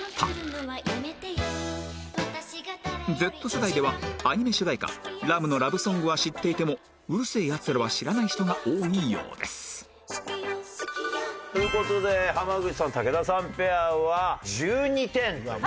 Ｚ 世代ではアニメ主題歌『ラムのラブソング』は知っていても『うる星やつら』は知らない人が多いようですという事で濱口さん・武田さんペアは１２点という。